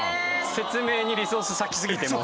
説明にリソース割きすぎてもう。